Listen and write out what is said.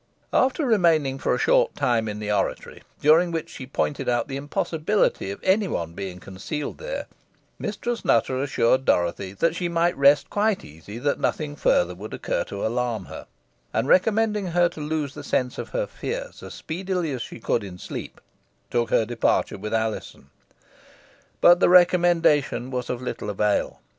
After remaining for a short time in the oratory, during which she pointed out the impossibility of any one being concealed there, Mistress Nutter assured Dorothy she might rest quite easy that nothing further would occur to alarm her, and recommending her to lose the sense of her fears as speedily as she could in sleep, took her departure with Alizon. But the recommendation was of little avail.